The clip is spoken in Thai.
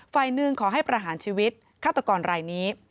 ฝ่ายหนึ่งขอให้ประหารชีวิตฆาตกรรายนี้